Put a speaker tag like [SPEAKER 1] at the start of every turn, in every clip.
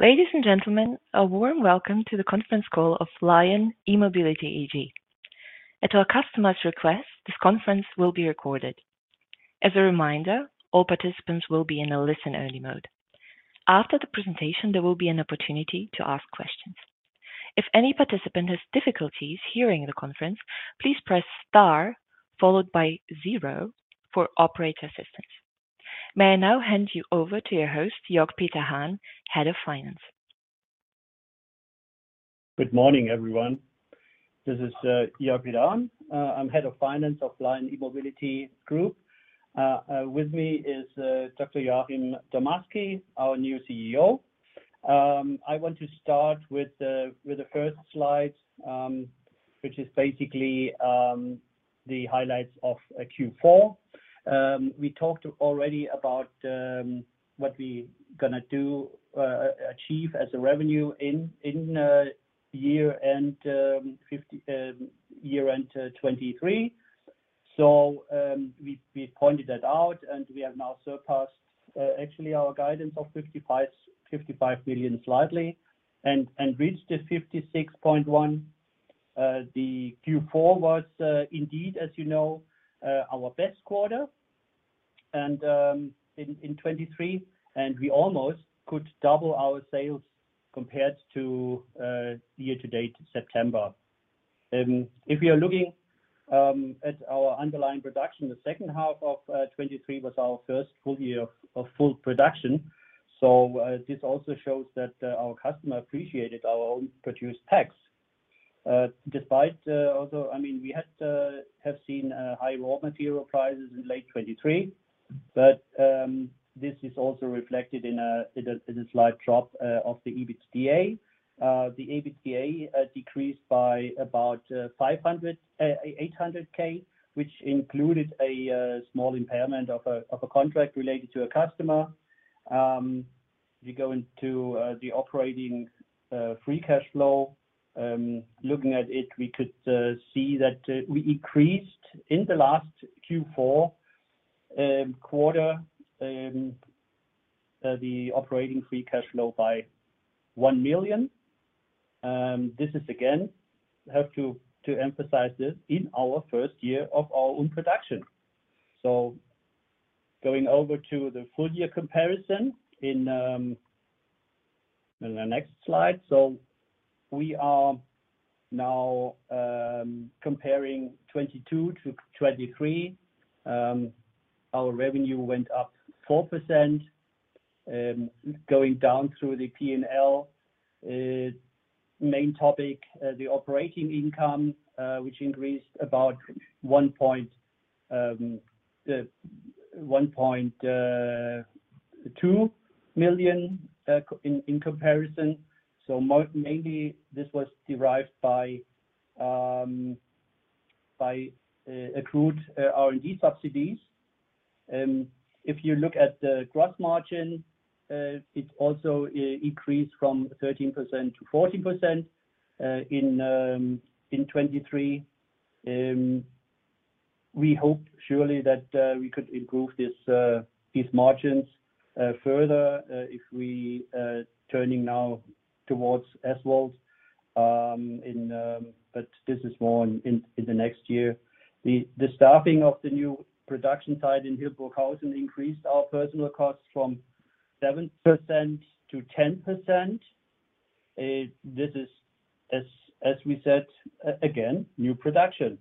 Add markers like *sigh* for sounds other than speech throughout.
[SPEAKER 1] Ladies and gentlemen, a warm welcome to the conference call of LION E-Mobility AG. At our customer's request, this conference will be recorded. As a reminder, all participants will be in a listen-only mode. After the presentation, there will be an opportunity to ask questions. If any participant has difficulties hearing the conference, please press star followed by zero for operator assistance. May I now hand you over to your host, Jörg Peter Hahn, Head of Finance?
[SPEAKER 2] Good morning, everyone. This is Jörg Peter Hahn. I'm Head of Finance of LION E-Mobility Group. With me is Dr. Joachim Damasky, our new CEO. I want to start with the first slide, which is basically the highlights of Q4. We talked already about what we're gonna achieve as revenue in year-end 2023. So, we pointed that out, and we have now surpassed, actually, our guidance of 55 million slightly and reached 56.1 million. Q4 was, indeed, as you know, our best quarter in 2023, and we almost could double our sales compared to year-to-date September. If you're looking at our underlying production, the second half of 2023 was our first full year of full production. So, this also shows that our customer appreciated our own-produced packs, despite also I mean we had have seen high raw material prices in late 2023, but this is also reflected in a slight drop of the EBITDA. The EBITDA decreased by about 500,000-800,000, which included a small impairment of a contract related to a customer. If you go into the operating free cash flow, looking at it, we could see that we increased in the last Q4 quarter the operating free cash flow by 1 million. This is again have to emphasize this in our first year of our own production. So going over to the full-year comparison in the next slide. So we are now comparing 2022-2023. Our revenue went up 4%, going down through the P&L. Main topic, the operating income, which increased about 1.2 million in comparison. So mainly this was derived by accrued R&D subsidies. If you look at the gross margin, it also increased from 13%-14% in 2023. We hope surely that we could improve these margins further if we turning now towards SVOLT, but this is more in the next year. The staffing of the new production site in Hildburghausen increased our personnel costs from 7%-10%. This is, as we said, again, new production.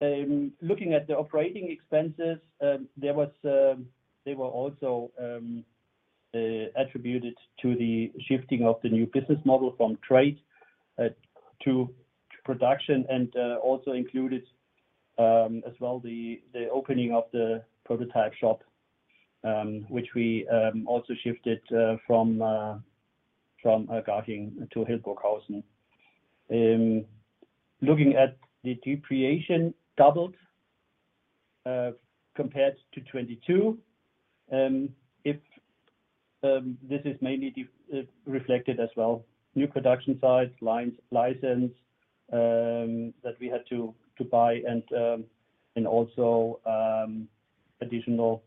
[SPEAKER 2] Looking at the operating expenses, they were also attributed to the shifting of the new business model from trade to production, and also included, as well, the opening of the prototype shop, which we also shifted from Garching to Hildburghausen. Looking at the depreciation doubled, compared to 2022. If this is mainly reflected as well. New production sites, lines, licenses that we had to buy, and also additional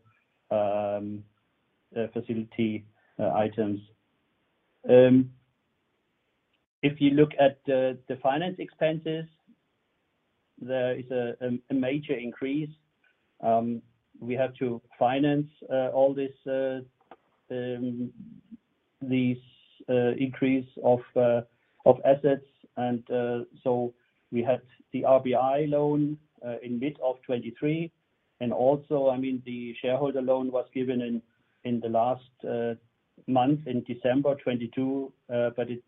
[SPEAKER 2] facility items. If you look at the finance expenses, there is a major increase. We had to finance all this increase of assets. And so we had the RBI loan in mid of 2023. And also, I mean, the shareholder loan was given in the last month, in December 2022, but it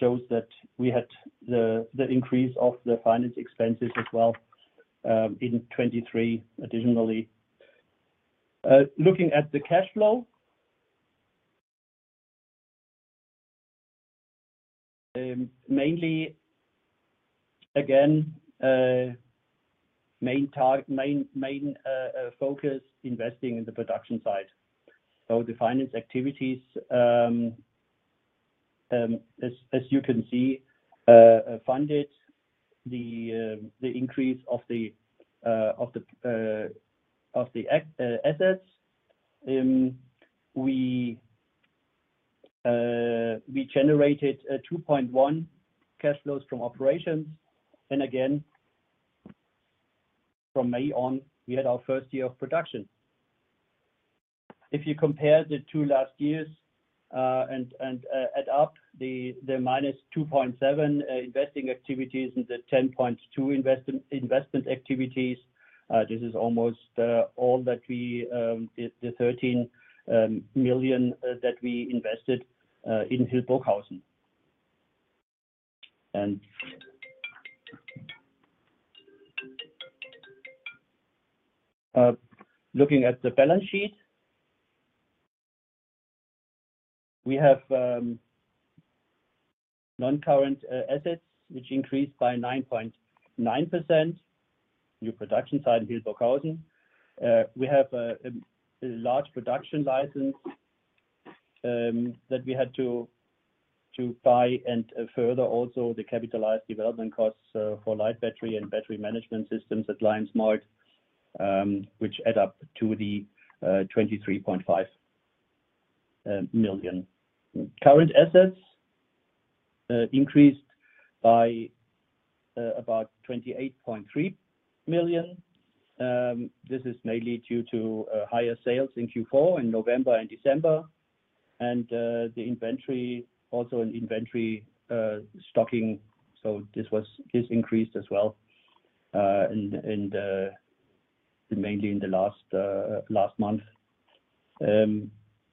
[SPEAKER 2] shows that we had the increase of the finance expenses as well in 2023 additionally. Looking at the cash flow, mainly again, mainly focus investing in the production site. So the finance activities, as you can see, funded the increase of the assets. We generated 2.1 million cash flows from operations. Again, from May on, we had our first year of production. If you compare the two last years, and add up the minus 2.7 million investing activities and the 10.2 million investment activities, this is almost all that we the 13 million that we invested in Hildburghausen. Looking at the balance sheet, we have non-current assets, which increased by 9.9%. New production site in Hildburghausen. We have a large production license that we had to buy, and further also the capitalized development costs for Light Battery and battery management systems at LION Smart, which add up to the 23.5 million. Current assets increased by about 28.3 million. This is mainly due to higher sales in Q4 in November and December. And the inventory also an inventory stocking. So this increased as well, mainly in the last month.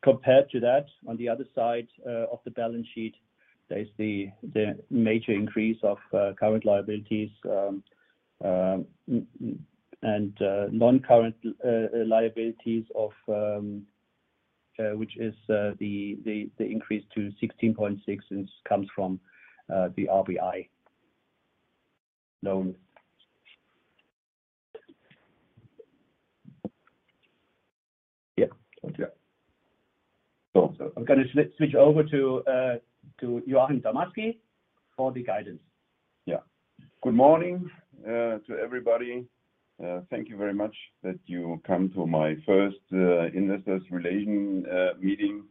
[SPEAKER 2] Compared to that, on the other side of the balance sheet, there's the major increase of current liabilities and non-current liabilities of which the increase to 16.6 comes from the RBI loan. Yep. Cool. So I'm gonna switch over to Joachim Damasky for the guidance.
[SPEAKER 3] Yeah. Good morning to everybody. Thank you very much that you come to my first investor relations meeting.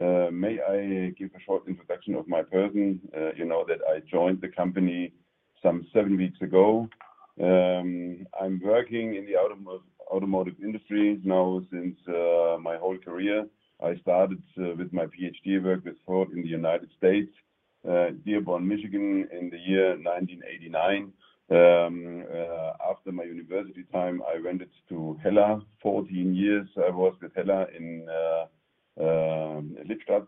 [SPEAKER 3] May I give a short introduction of my person? You know that I joined the company some seven weeks ago. I'm working in the automotive industry now since my whole career. I started with my PhD work with Ford in the United States, Dearborn, Michigan, in the year 1989. After my university time, I went to Hella. 14 years I was with Hella in Lippstadt.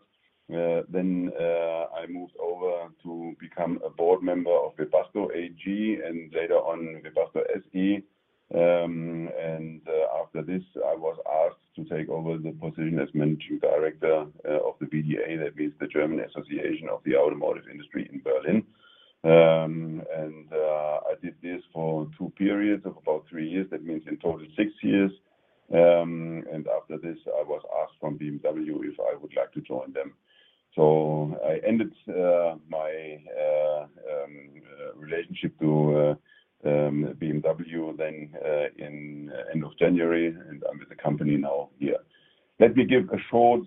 [SPEAKER 3] Then I moved over to become a board member of Webasto AG and later on Webasto SE. I was asked to take over the position as managing director of the VDA. That means the German Association of the Automotive Industry in Berlin. I did this for two periods of about three years. That means in total, six years. After this, I was asked from BMW if I would like to join them. So I ended my relationship to BMW then, in end of January, and I'm with the company now here. Let me give a short,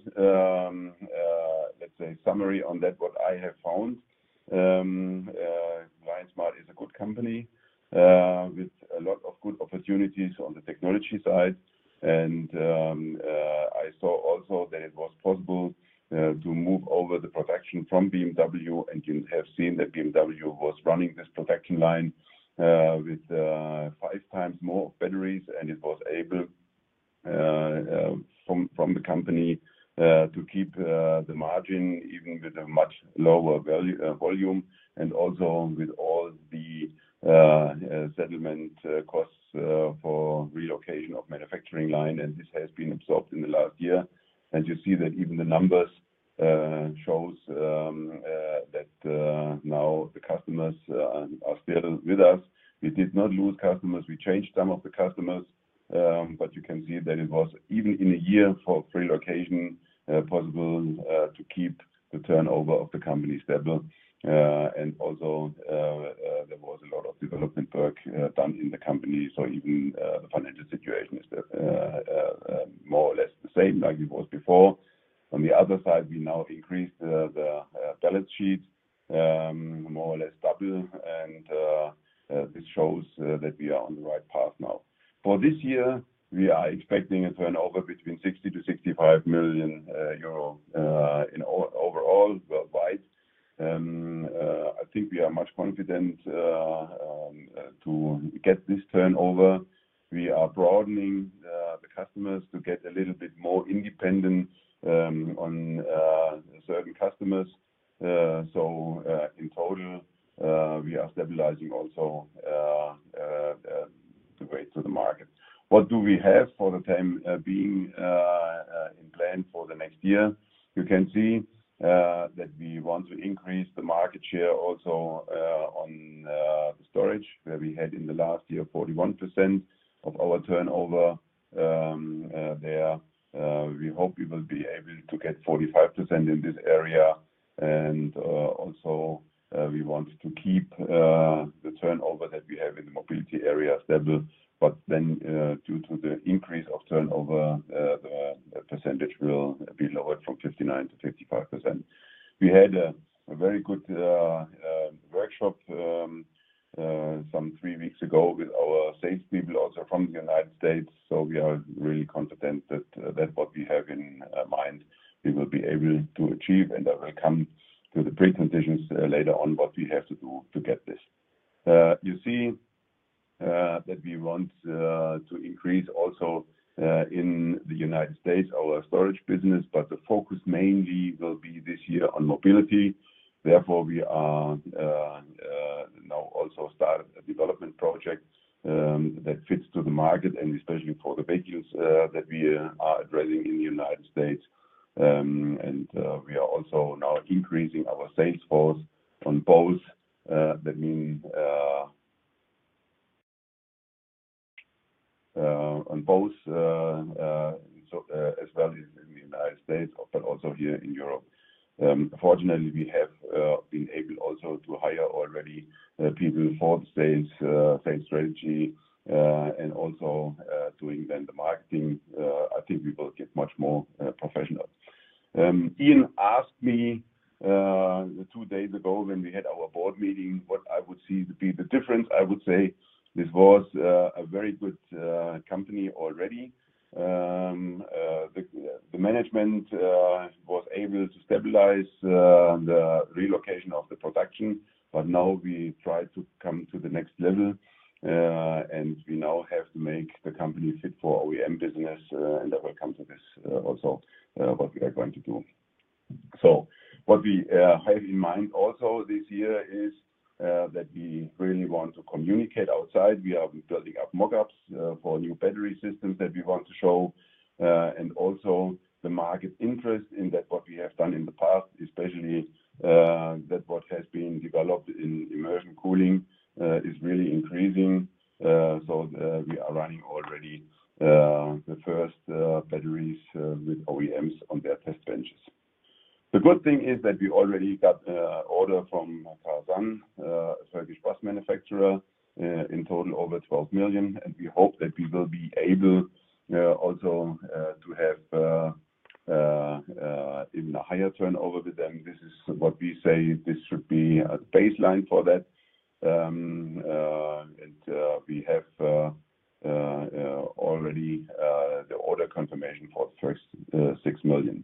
[SPEAKER 3] let's say, summary on that, what I have found. LION Smart is a good company, with a lot of good opportunities on the technology side. I saw also that it was possible to move over the production from BMW, and you have seen that BMW was running this production line, with five times more batteries, and it was able from the company to keep the margin even with a much lower value, volume and also with all the settlement costs for relocation of manufacturing line. And this has been absorbed in the last year. And you see that even the numbers shows that now the customers are still with us. We did not lose customers. We changed some of the customers, but you can see that it was even in a year for relocation possible to keep the turnover of the company stable. And also, there was a lot of development work done in the company. So even the financial situation is the more or less the same like it was before. On the other side, we now increased the balance sheet more or less double. And this shows that we are on the right path now. For this year, we are expecting a turnover between 60 million and 65 million euro overall worldwide. I think we are much confident to get this turnover. We are broadening the customers to get a little bit more independent on certain customers. So, in total, we are stabilizing also the way to the market. What do we have for the time being in plan for the next year? You can see that we want to increase the market share also on the storage, where we had in the last year 41% of our turnover there. We hope we will be able to get 45% in this area. Also, we want to keep the turnover that we have in the mobility area stable. But then, due to the increase of turnover, the percentage will be lowered from 59%-55%. We had a very good workshop some three weeks ago with our salespeople also from the United States. So we are really confident that what we have in mind we will be able to achieve. I will come to the preconditions later on what we have to do to get this. You see that we want to increase also in the United States our storage business, but the focus mainly will be this year on mobility. Therefore, we are now also started a development project that fits to the market, and especially for the vehicles that we are addressing in the United States. We are also now increasing our sales force on both. That mean on both, so as well as in the United States, but also here in Europe. Fortunately, we have been able also to hire already people for the sales, sales strategy, and also doing then the marketing. I think we will get much more professional. Ian asked me two days ago when we had our board meeting what I would see to be the difference. I would say this was a very good company already. The management was able to stabilize the relocation of the production. But now we try to come to the next level, and we now have to make the company fit for OEM business, and I will come to this also, what we are going to do. So what we have in mind also this year is that we really want to communicate outside. We are building up mockups for new battery systems that we want to show, and also the market interest in that what we have done in the past, especially that what has been developed in immersion cooling, is really increasing. So we are running already the first batteries with OEMs on their test benches. The good thing is that we already got order from Karsan, a Turkish bus manufacturer, in total over 12 million. We hope that we will be able also to have even a higher turnover with them. This is what we say this should be a baseline for that. We have already the order confirmation for the first 6 million.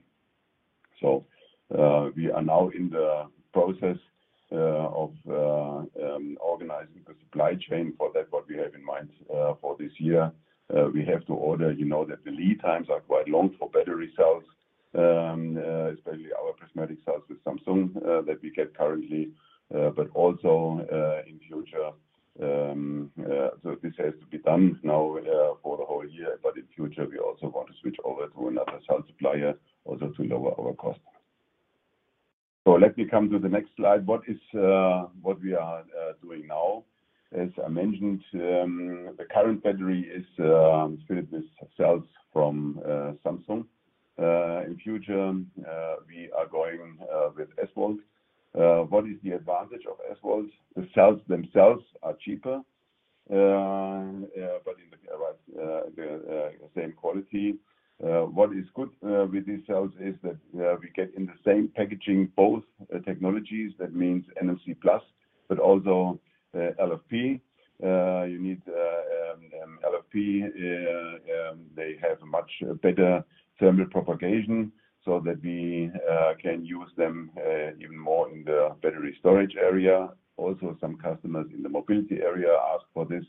[SPEAKER 3] So, we are now in the process of organizing the supply chain for that what we have in mind for this year. We have to order. You know that the lead times are quite long for battery cells, especially our prismatic cells with Samsung, that we get currently, but also in future. So this has to be done now for the whole year. But in future, we also want to switch over to another cell supplier also to lower our cost. So let me come to the next slide. What is what we are doing now? As I mentioned, the current battery is filled with cells from Samsung. the future, we are going with SVOLT. What is the advantage of SVOLT? The cells themselves are cheaper, but of the right, the same quality. What is good with these cells is that we get in the same packaging both technologies. That means NMC Plus, but also LFP. You need LFP. They have a much better thermal propagation so that we can use them even more in the battery storage area. Also, some customers in the mobility area ask for this.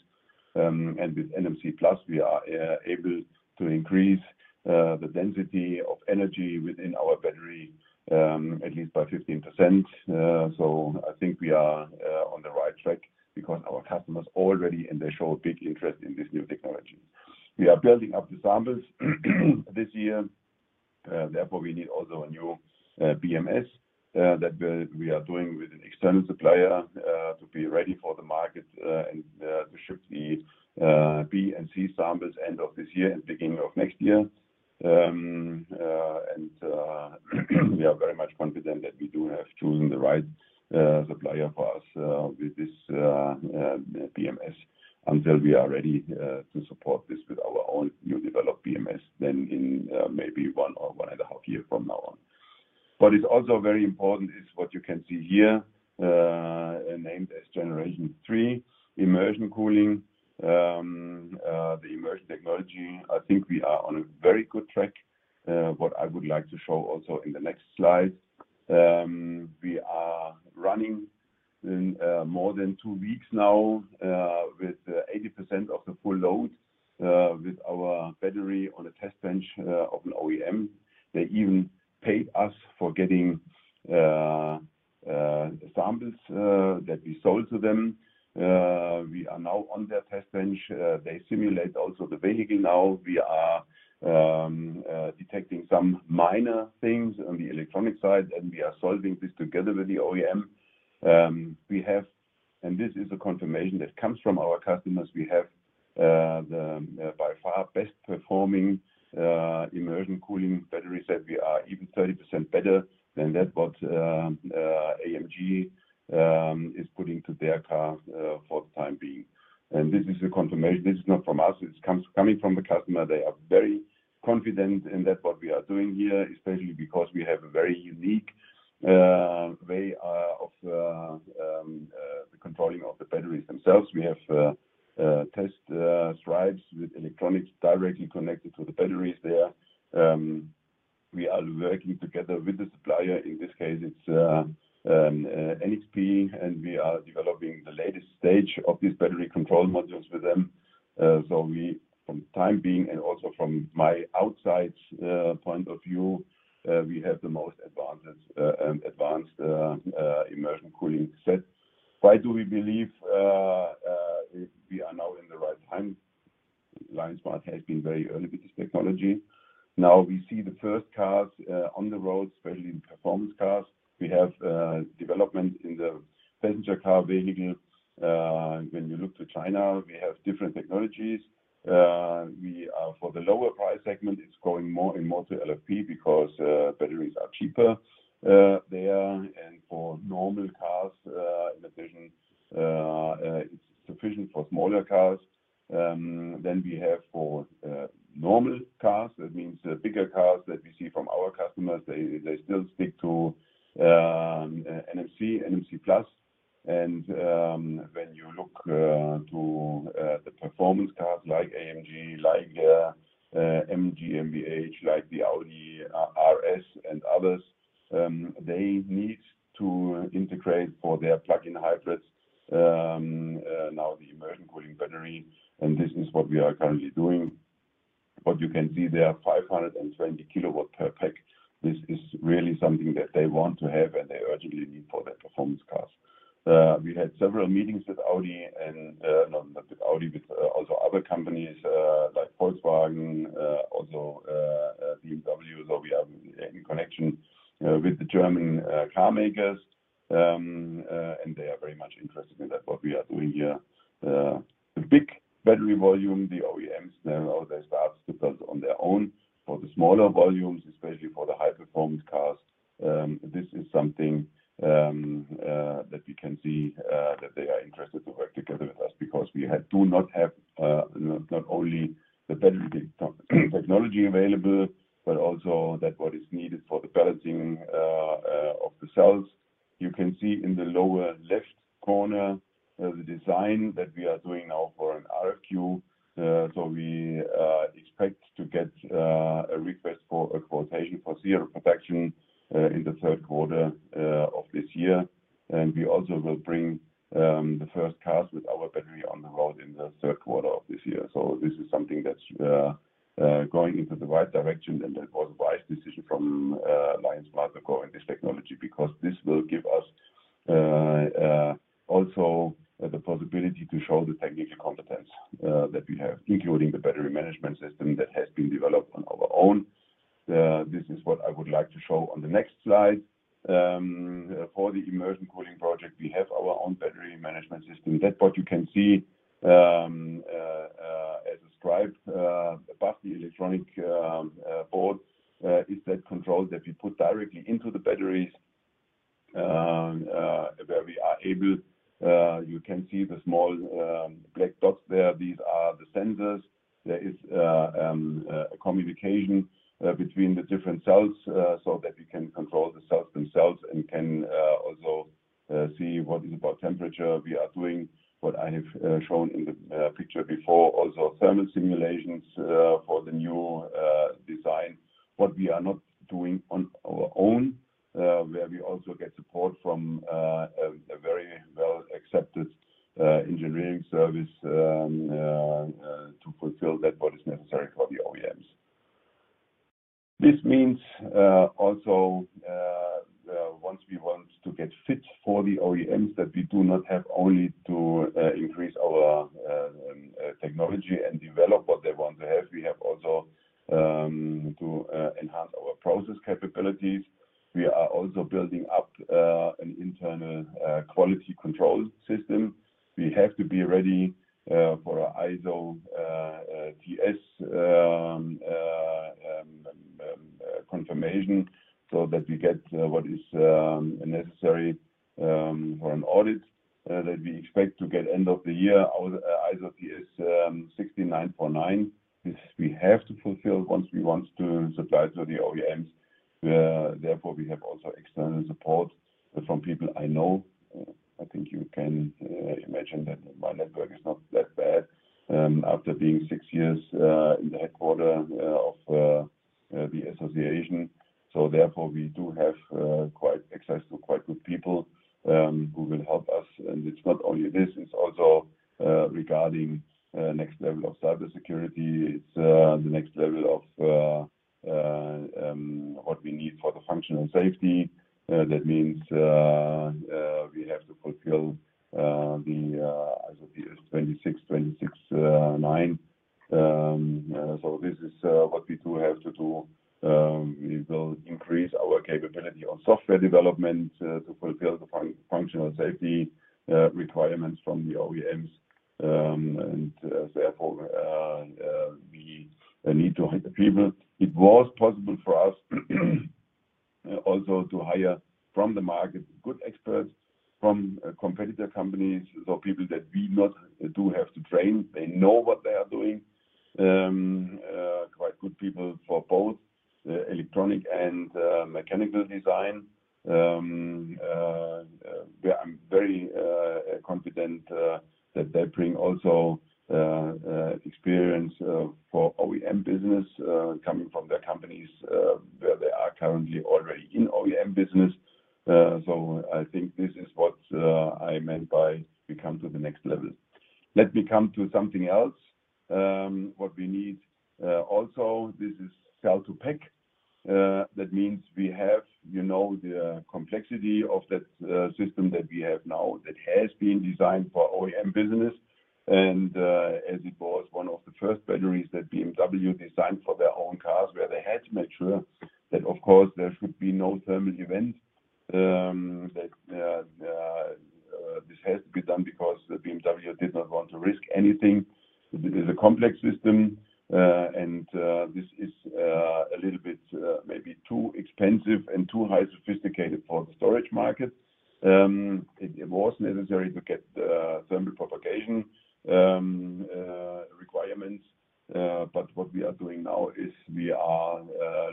[SPEAKER 3] And with NMC Plus, we are able to increase the density of energy within our battery, at least by 15%. So I think we are on the right track because our customers already and they show big interest in this new technology. We are building up the samples this year. Therefore, we need also a new BMS that we are doing with an external supplier, to be ready for the market, and to ship the B and C samples end of this year and beginning of next year. We are very much confident that we do have chosen the right supplier for us with this BMS until we are ready to support this with our own new developed BMS then in maybe one or one and a half years from now on. What is also very important is what you can see here, named as Generation 3 Immersion Cooling. The immersion technology, I think we are on a very good track. What I would like to show also in the next slide. We are running in more than two weeks now with 80% of the full load with our battery on a test bench of an OEM. They even paid us for getting samples that we sold to them. We are now on their test bench. They simulate also the vehicle now. We are detecting some minor things on the electronic side, and we are solving this together with the OEM. We have, and this is a confirmation that comes from our customers. We have the by far best performing immersion cooling battery set. We are even 30% better than that what AMG is putting to their car, for the time being. And this is a confirmation. This is not from us. It's coming from the customer. They are very confident in that what we are doing here, especially because we have a very unique way of the controlling of the batteries themselves. We have test stripes with electronics directly connected to the batteries there. We are working together with the supplier. In this case, it's NXP. And we are developing the latest stage of these battery control modules with them. So, for the time being and also from my outside point of view, we have the most advanced immersion cooling set. Why do we believe we are now in the right time? LION Smart has been very early with this technology. Now we see the first cars on the road, especially in performance cars. We have development in the passenger car vehicle. When you look to China, we have different technologies. We are for the lower price segment, it's going more and more to LFP because batteries are cheaper there. And for normal cars, in addition, it's sufficient for smaller cars. Then we have for normal cars. That means bigger cars that we see from our customers, they still stick to NMC, NMC Plus. When you look to the performance cars like Mercedes-AMG, like Mercedes-Benz, like the Audi RS and others, they need to integrate for their plug-in hybrids now the immersion cooling battery. And this is what we are currently doing. What you can see there, 520 kW per pack. This is really something that they want to have, and they urgently need for their performance cars. We had several meetings with Audi and, not with Audi, with also other companies, like Volkswagen, also BMW. So we have in connection with the German carmakers. And they are very much interested in that what we are doing here. The big battery volume, the OEMs now, they start to build on their own. For the smaller volumes, especially for the high-performance cars, this is something that we can see that they are interested to work together with us because we do not have, not only the battery technology available, but also that what is needed for the balancing of the cells. You can see in the lower left corner the design that we are doing now for an RFQ. So we expect to get a request for a quotation for zero production in the third quarter of this year. And we also will bring the first cars with our battery on the road in the third quarter of this year. So this is something that's going into the right direction. That was a wise decision from LION Smart to go in this technology because this will give us also the possibility to show the technical competence that we have, including the battery management system that has been developed on our own. This is what I would like to show on the next slide. For the immersion cooling project, we have our own battery management system. That's what you can see, as a stripe above the electronic board, is that control that we put directly into the batteries, where we are able you can see the small black dots there. These are the sensors. There is a communication between the different cells, so that we can control the cells themselves and can also see what is about temperature. We are doing what I have shown in the picture before, also thermal simulations for the new design. What we are not doing on our own, where we also get support from a very well-accepted engineering service, to fulfill that what is necessary for the OEMs. This means also, once we want to get fit for the OEMs that we do not have only to increase our technology and develop what they want to have. We have also to enhance our process capabilities. We are also building up an internal quality control system. We have to be ready for an IATF 16949 confirmation so that we get what is necessary for an audit that we expect to get end of the year, IATF 16949. This we have to fulfill once we want to supply to the OEMs. Therefore, we have also external support from people I know. I think you can imagine that my network is not that bad, after being six years in the headquarters of the association. So therefore, we do have quite access to quite good people who will help us. And it's not only this. It's also regarding next level of cybersecurity. It's the next level of what we need for the functional safety. That means we have to fulfill the ISO 26262. So this is what we do have to do. We will increase our capability on software development to fulfill the functional safety requirements from the OEMs. And therefore we need to hire people. It was possible for us also to hire from the market good experts from competitor companies, so people that we do not have to train. They know what they are doing. Quite good people for both electronics and mechanical design, where I'm very confident that they bring also experience for OEM business, coming from their companies, where they are currently already in OEM business. So I think this is what I meant by we come to the next level. Let me come to something else. What we need also, this is cell-to-pack. That means we have, you know, the complexity of that system that we have now that has been designed for OEM business. And as it was one of the first batteries that BMW designed for their own cars, where they had to make sure that, of course, there should be no thermal event, that this has to be done because BMW did not want to risk anything. It is a complex system. And this is a little bit maybe too expensive and too highly sophisticated for the storage market. It was necessary to get the thermal propagation requirements. But what we are doing now is we are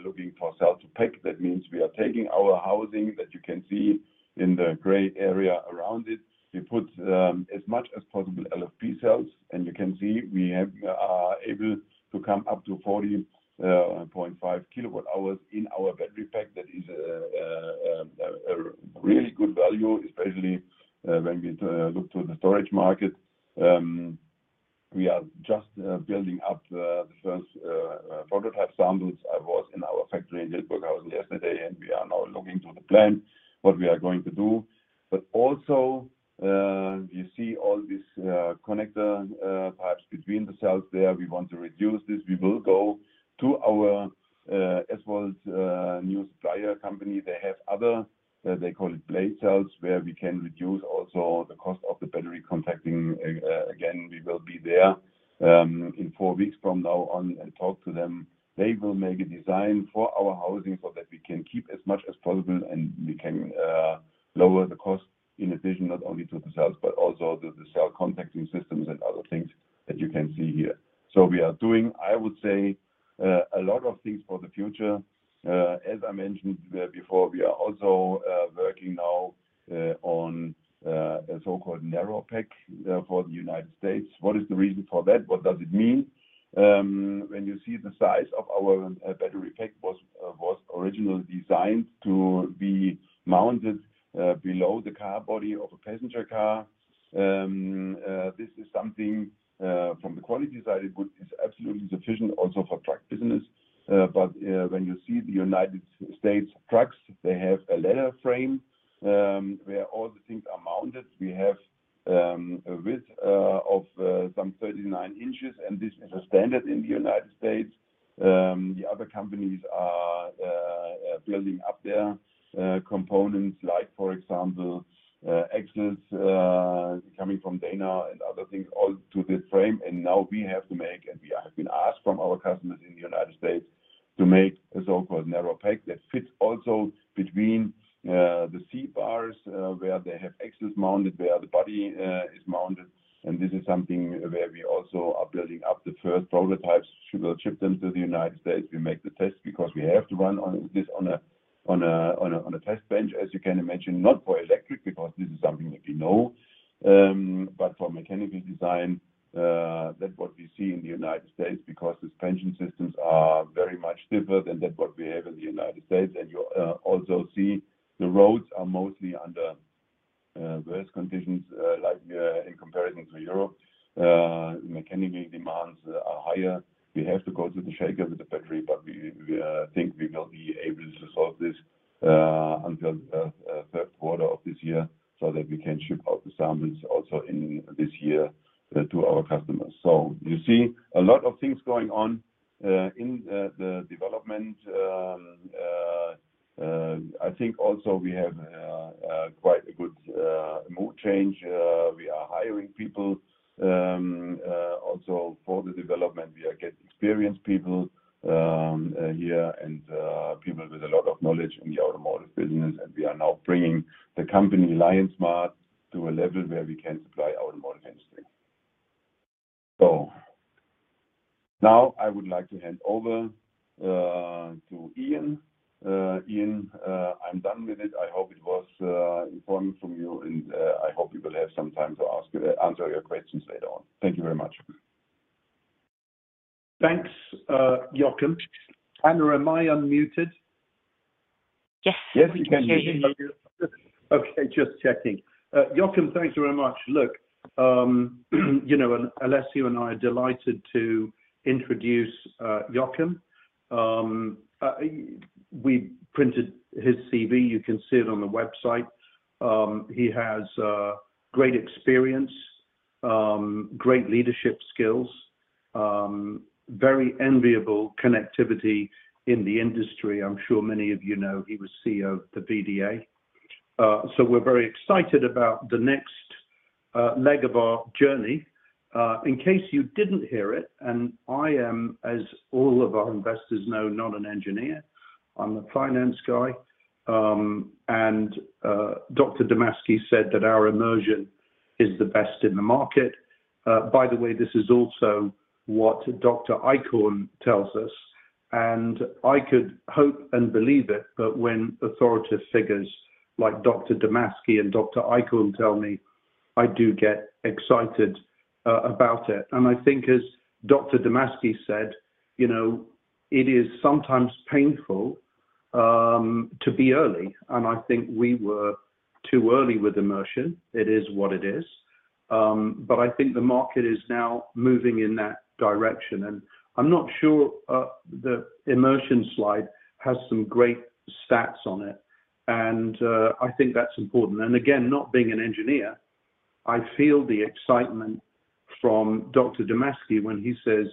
[SPEAKER 3] looking for cell-to-pack. That means we are taking our housing that you can see in the gray area around it. We put as much as possible LFP cells. And you can see we are able to come up to 40.5 kWh in our battery pack. That is a really good value, especially when we look to the storage market. We are just building up the first prototype samples. I was in our factory in Hildburghausen yesterday, and we are now looking to the plan what we are going to do. But also, you see all these connector pipes between the cells there. We want to reduce this. We will go to our SVOLT new supplier company. They have other; they call it blade cells, where we can reduce also the cost of the battery contacting. Again, we will be there in four weeks from now on and talk to them. They will make a design for our housing so that we can keep as much as possible, and we can lower the cost in addition not only to the cells, but also to the cell contacting systems and other things that you can see here. So we are doing, I would say, a lot of things for the future. As I mentioned before, we are also working now on a so-called narrow pack for the United States. What is the reason for that? What does it mean? When you see the size of our battery pack, it was originally designed to be mounted below the car body of a passenger car. This is something, from the quality side, it is absolutely sufficient also for truck business. But when you see the United States trucks, they have a ladder frame, where all the things are mounted. We have a width of some 39 inches. And this is a standard in the United States. The other companies are building up their components like, for example, axles coming from Dana and other things all to this frame. And now we have to make, and we have been asked from our customers in the United States to make a so-called narrow pack that fits also between the side bars, where they have axles mounted, where the body is mounted. And this is something where we also are building up the first prototypes. We'll ship them to the United States. We make the tests because we have to run this on a test bench, as you can imagine, not for electric because this is something that we know, but for mechanical design, that what we see in the United States because suspension systems are very much stiffer than that what we have in the United States. And you also see the roads are mostly under worse conditions, like, in comparison to Europe. Mechanical demands are higher. We have to go to the shaker with the battery, but we think we will be able to solve this until third quarter of this year so that we can ship out the samples also in this year to our customers. So you see a lot of things going on in the development. I think also we have quite a good mood change. We are hiring people. Also for the development, we are getting experienced people, here and people with a lot of knowledge in the automotive business. And we are now bringing the company LION Smart to a level where we can supply automotive industry. So now I would like to hand over to Ian. Ian, I'm done with it. I hope it was informative for you. And I hope you will have some time to ask your questions later on. Thank you very much.
[SPEAKER 4] Thanks, Joachim. Hannah, am I unmuted?
[SPEAKER 1] Yes.
[SPEAKER 4] Yes, you can hear me. Okay, just checking. Joachim, thanks very much. Look, you know, Alessio and I are delighted to introduce Joachim. We printed his CV. You can see it on the website. He has great experience, great leadership skills, very enviable connectivity in the industry. I'm sure many of you know he was CEO of the VDA. So we're very excited about the next leg of our journey. In case you didn't hear it, and I am, as all of our investors know, not an engineer. I'm a finance guy. And Dr. Damasky said that our immersion is the best in the market. By the way, this is also what Dr. Eichhorn tells us. And I could hope and believe it, but when authoritative figures like Dr. Damasky and Dr. Eichhorn tell me, I do get excited about it. And I think, as Dr. Damasky said, you know, it is sometimes painful to be early. And I think we were too early with immersion. It is what it is. But I think the market is now moving in that direction. And I'm not sure, the immersion slide has some great stats on it. And, I think that's important. And again, not being an engineer, I feel the excitement from Dr. Damasky when he says,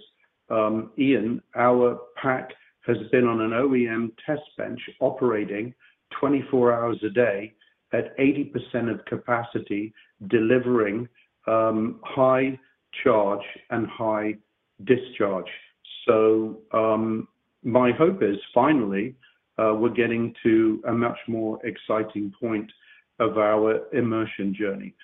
[SPEAKER 4] "Ian, our pack has been on an OEM test bench operating 24 hours a day at 80% of capacity, delivering high charge and high discharge." So, my hope is finally, we're getting to a much more exciting point of our immersion journey.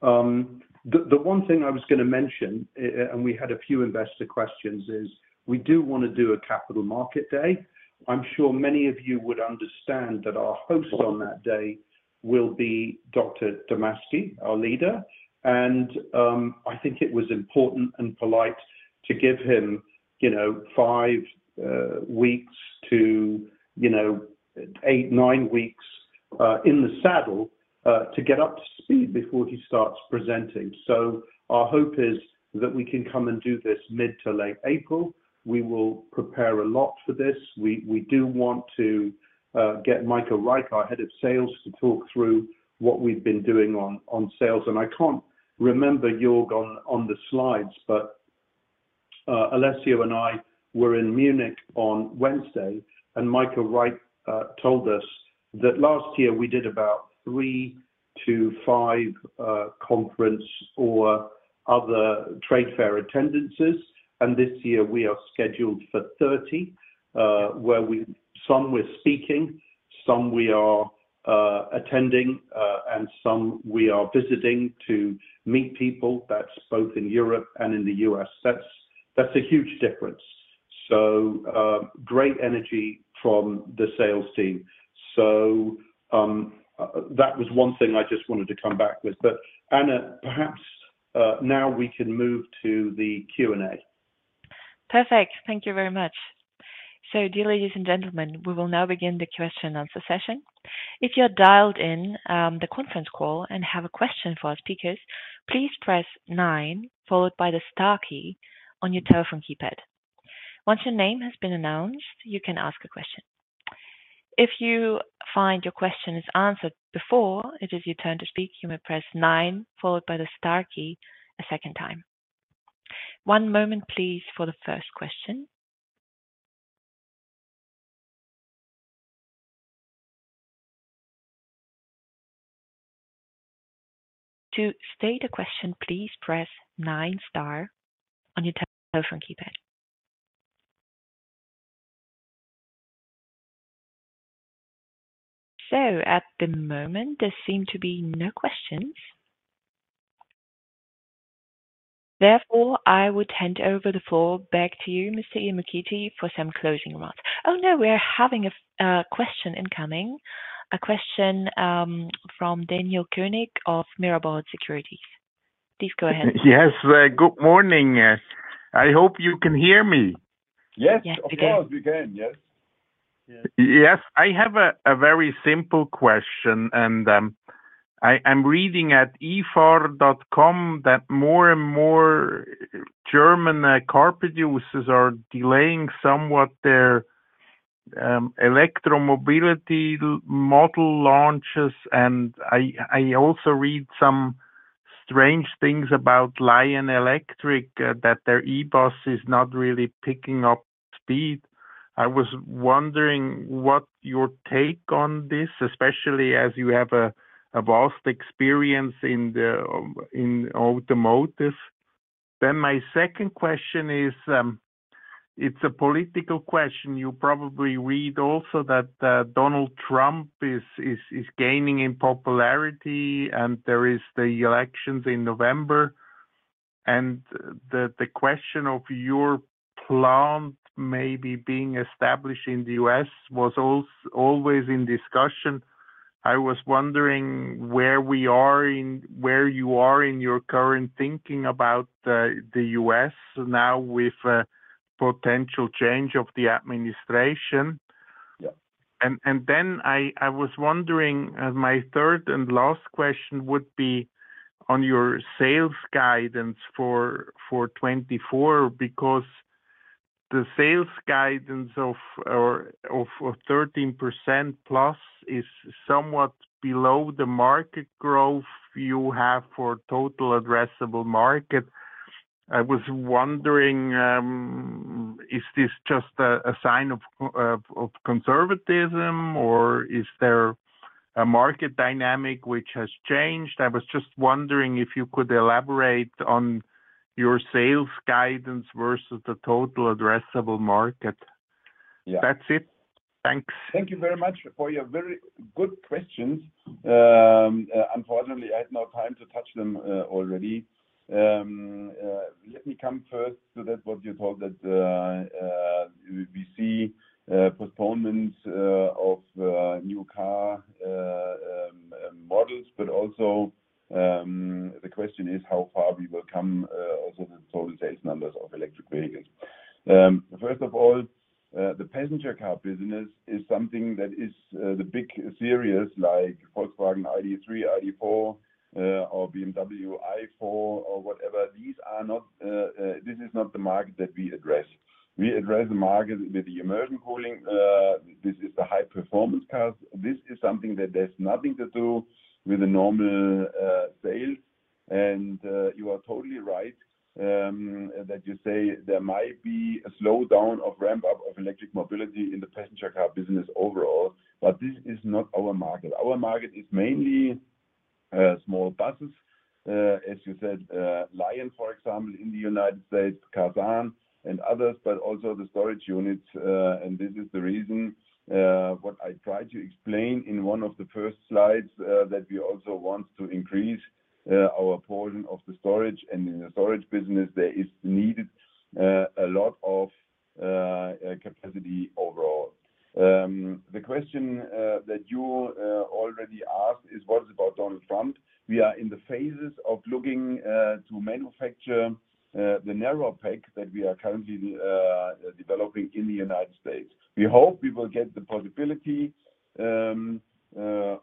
[SPEAKER 4] The one thing I was going to mention, and we had a few investor questions, is we do want to do a capital market day. I'm sure many of you would understand that our host on that day will be Dr. Damasky, our leader. I think it was important and polite to give him, you know, five weeks to, you know, 8-9 weeks in the saddle to get up to speed before he starts presenting. Our hope is that we can come and do this mid to late April. We will prepare a lot for this. We do want to get Michael Reich, our head of sales, to talk through what we've been doing on sales. I can't remember, Jörg, on the slides, but Alessio and I were in Munich on Wednesday. Michael Reich told us that last year we did about 3-5 conference or other trade fair attendances. This year, we are scheduled for 30, where some we're speaking, some we are attending, and some we are visiting to meet people. That's both in Europe and in the U.S. That's a huge difference. So, great energy from the sales team. So, that was one thing I just wanted to come back with. But, Hannah, perhaps now we can move to the Q&A.
[SPEAKER 1] Perfect. Thank you very much. So, dear ladies and gentlemen, we will now begin the question-and-answer session. If you are dialed in, the conference call and have a question for our speakers, please press nine followed by the star key on your telephone keypad. Once your name has been announced, you can ask a question. If you find your question is answered before it is your turn to speak, you may press nine followed by the star key a second time. One moment, please, for the first question. To state a question, please press 9 star on your telephone keypad. So, at the moment, there seem to be no questions. Therefore, I would hand over the floor back to you, Mr. Ian Mukherjee, for some closing remarks. Oh, no, we are having a question incoming. A question from Daniel Koenig of Mirabaud Securities. Please go ahead.
[SPEAKER 5] Yes, good morning. I hope you can hear me.
[SPEAKER 4] Yes, of course.
[SPEAKER 3] Yes, we can.
[SPEAKER 5] Yes. Yes, I have a very simple question. And I am reading at EFAHRER.com that more and more German car producers are delaying somewhat their electromobility model launches. And I also read some strange things about LION Electric, that their e-bus is not really picking up speed. I was wondering what your take on this, especially as you have a vast experience in the automotive. Then my second question is, it's a political question. You probably read also that Donald Trump is gaining in popularity, and there are the elections in November. And the question of your plant maybe being established in the U.S. was also always in discussion. I was wondering where we are in where you are in your current thinking about the U.S. now with a potential change of the administration. Then I was wondering, my third and last question would be on your sales guidance for 2024 because the sales guidance of +13% is somewhat below the market growth you have for total addressable market. I was wondering, is this just a sign of conservatism, or is there a market dynamic which has changed? I was just wondering if you could elaborate on your sales guidance versus the total addressable market. That's it. Thanks.
[SPEAKER 3] Thank you very much for your very good questions. Unfortunately, I had no time to touch them already. Let me come first to what you told, that we see postponements of new car models. But also, the question is how far we will come, also the total sales numbers of electric vehicles. First of all, the passenger car business is something that is the big series like Volkswagen ID.3, ID.4, or BMW i4 or whatever. These are not; this is not the market that we address. We address the market with the immersion cooling. This is the high-performance cars. This is something that has nothing to do with a normal sale. And you are totally right that you say there might be a slowdown or ramp-up of electric mobility in the passenger car business overall. But this is not our market. Our market is mainly small buses, as you said, LION, for example, in the United States, Karsan, and others, but also the storage units. And this is the reason what I tried to explain in one of the first slides that we also want to increase our portion of the storage. In the storage business, there is needed a lot of capacity overall. The question that you already asked is what is about Donald Trump? We are in the phases of looking to manufacture the Narrow Pack that we are currently developing in the United States. We hope we will get the possibility to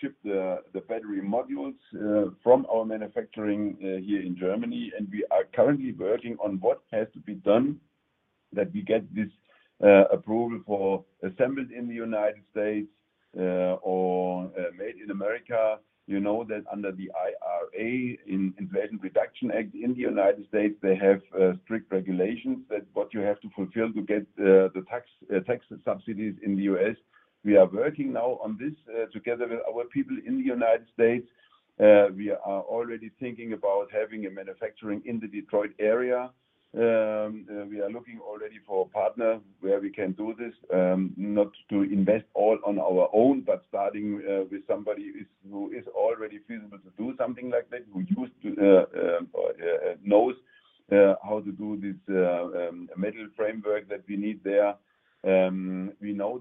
[SPEAKER 3] ship the battery modules from our manufacturing here in Germany. We are currently working on what has to be done that we get this approval for assembled in the United States, or made in America. You know that under the IRA, Inflation Reduction Act, in the United States, they have strict regulations that what you have to fulfill to get the tax subsidies in the US. We are working now on this together with our people in the United States. We are already thinking about having a manufacturing in the Detroit area. We are looking already for a partner where we can do this, not to invest all on our own, but starting with somebody who is already feasible to do something like that, who used to or knows how to do this, metal framework that we need there. We know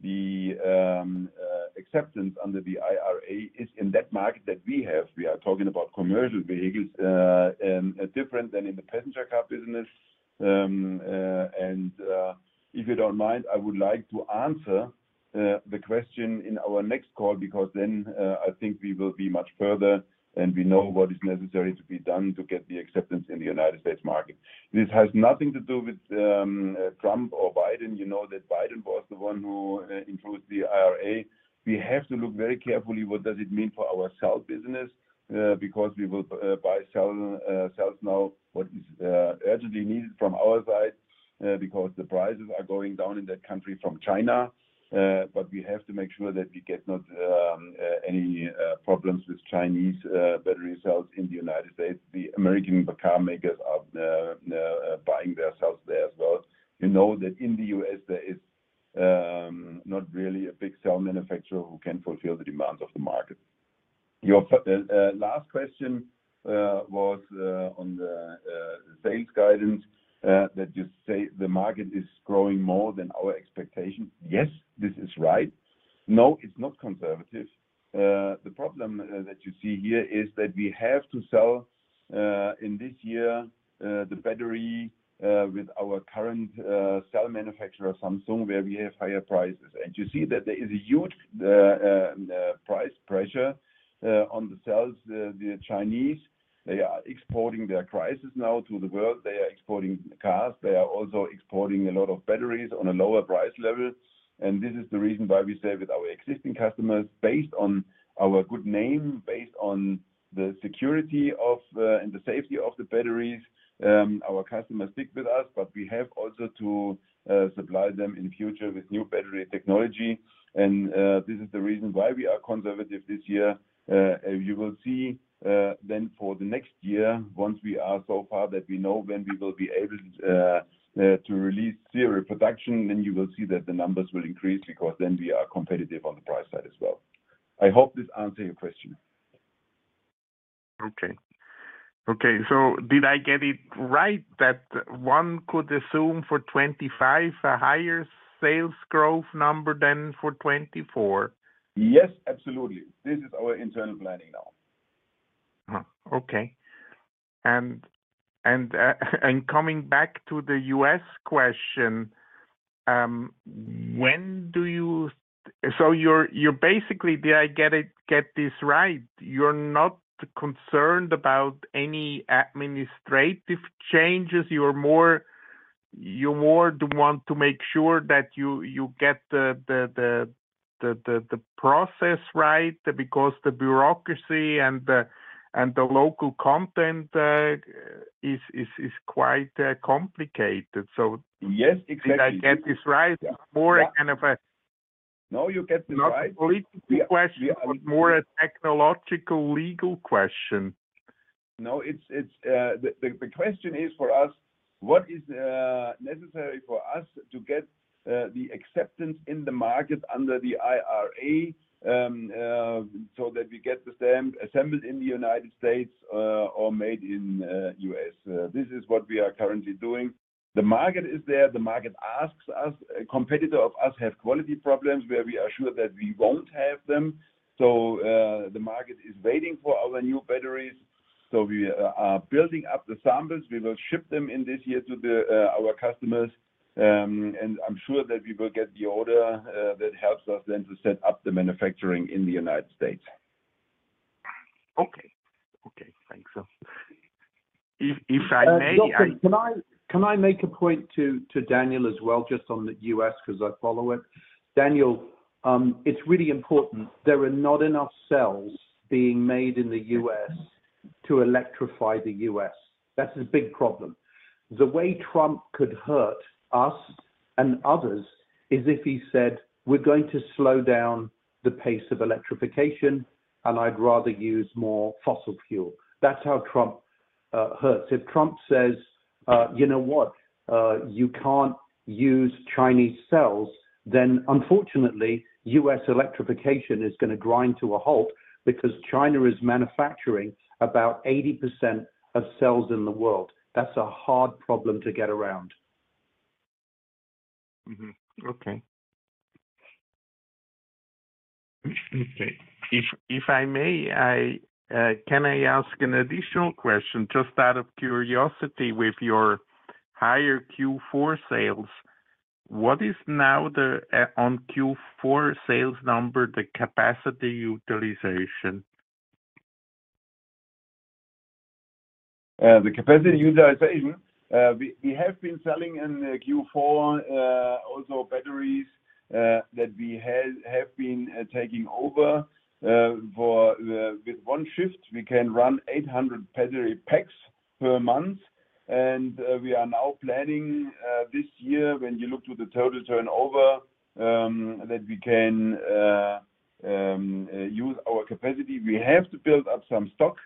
[SPEAKER 3] that the acceptance under the IRA is in that market that we have. We are talking about commercial vehicles, different than in the passenger car business. If you don't mind, I would like to answer the question in our next call because then, I think we will be much further, and we know what is necessary to be done to get the acceptance in the United States market. This has nothing to do with Trump or Biden. You know that Biden was the one who introduced the IRA. We have to look very carefully what does it mean for our cell business, because we will buy cells now what is urgently needed from our side, because the prices are going down in that country from China. But we have to make sure that we get not any problems with Chinese battery cells in the United States. The American car makers are buying their cells there as well. You know that in the U.S., there is not really a big cell manufacturer who can fulfill the demands of the market. Your last question was on the sales guidance, that you say the market is growing more than our expectation. Yes, this is right. No, it's not conservative. The problem that you see here is that we have to sell in this year the battery with our current cell manufacturer, Samsung, where we have higher prices. You see that there is a huge price pressure on the cells, the Chinese. They are exporting their crisis now to the world. They are exporting cars. They are also exporting a lot of batteries on a lower price level. And this is the reason why we say with our existing customers, based on our good name, based on the security of and the safety of the batteries, our customers stick with us. But we have also to supply them in the future with new battery technology. And this is the reason why we are conservative this year. And you will see then for the next year, once we are so far that we know when we will be able to release serial production, then you will see that the numbers will increase because then we are competitive on the price side as well. I hope this answered your question.
[SPEAKER 5] Okay. Okay. So did I get it right that one could assume for 2025 a higher sales growth number than for 2024?
[SPEAKER 3] Yes, absolutely. This is our internal planning now.
[SPEAKER 5] Huh. Okay. And coming back to the U.S. question, when do you so you're, you're basically did I get it get this right, you're not concerned about any administrative changes. You're more do want to make sure that you get the process right because the bureaucracy and the local content is quite complicated. So. Yes, exactly. Did I get this right?
[SPEAKER 3] More a kind of a. No, you get this right. Not a political question, but more a technological legal question. No, it's the question for us, what is necessary for us to get the acceptance in the market under the IRA, so that we get the stamp assembled in the United States, or made in U.S.? This is what we are currently doing. The market is there. The market asks us. A competitor of us have quality problems where we are sure that we won't have them. So, the market is waiting for our new batteries. So we are building up the samples. We will ship them in this year to our customers. And I'm sure that we will get the order, that helps us then to set up the manufacturing in the United States.
[SPEAKER 5] Okay. Okay. Thanks, sir.
[SPEAKER 4] If, if I may, Can I can I make a point to, to Daniel as well just on the U.S. because I follow it? Daniel, it's really important. There are not enough cells being made in the U.S. to electrify the U.S. That's a big problem. The way Trump could hurt us and others is if he said, "We're going to slow down the pace of electrification, and I'd rather use more fossil fuel." That's how Trump hurts. If Trump says, "You know what? You can't use Chinese cells," then, unfortunately, U.S. electrification is going to grind to a halt because China is manufacturing about 80% of cells in the world. That's a hard problem to get around.
[SPEAKER 5] Okay. Okay. If I may, can I ask an additional question just out of curiosity with your higher Q4 sales? What is now the, on Q4 sales number, the capacity utilization?
[SPEAKER 3] The capacity utilization, we have been selling in Q4 also batteries that we have been taking over for. With one shift, we can run 800 battery packs per month. We are now planning this year, when you look to the total turnover, that we can use our capacity. We have to build up some stock